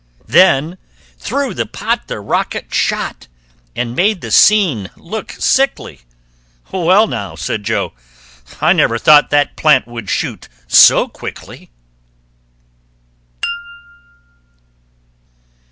Then through the pot the rocket shot And made the scene look sickly! "Well, now," said Jo, "I never thought That plant would shoot so quickly!"